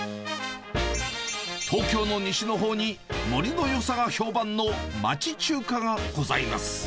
東京の西のほうに、盛りのよさが評判の町中華がございます。